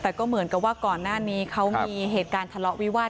แต่ก็เหมือนกับว่าก่อนหน้านี้เขามีเหตุการณ์ทะเลาะวิวาส